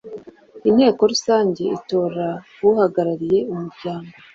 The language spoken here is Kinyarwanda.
inteko rusange itora uhagarariye umuryango